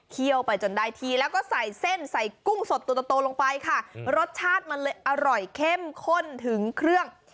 ไปจนได้ทีแล้วก็ใส่เส้นใส่กุ้งสดตัวโตลงไปค่ะรสชาติมันเลยอร่อยเข้มข้นถึงเครื่อง